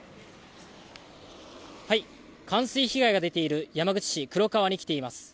はい、冠水被害が出ている山口市黒川に来ています。